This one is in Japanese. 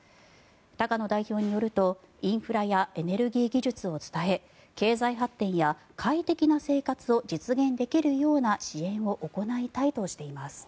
高野代表によるとインフラやエネルギー技術を伝え経済発展や快適な生活を実現できるような支援を行いたいとしています。